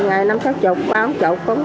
ngày năm sáu chục ba sáu chục